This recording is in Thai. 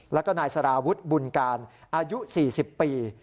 แล้วก็นายสารวุฒิบุญการอายุ๔๐ปี